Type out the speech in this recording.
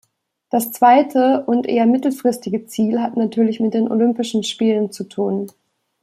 Das zweite und eher mittelfristige Ziel hat natürlich mit den Olympischen Spielen zu tun.